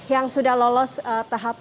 yang sudah lolos tahap perbaikan dokumen